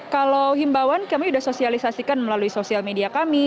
kalau himbauan kami sudah sosialisasikan melalui sosial media kami